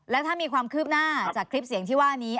แล้วถ้ามีความคืบหน้าจากคลิปเสียงที่ว่านี้